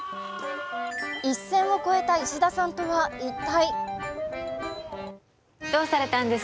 一線を超えた石田さんとは一体？